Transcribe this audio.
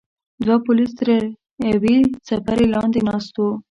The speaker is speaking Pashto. دوه پولیس تر یوې څپرې لاندې ناست وو.